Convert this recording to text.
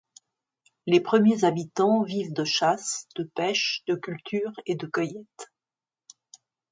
Les premiers habitants vivent de chasse, de pêche, de culture et de cueillette.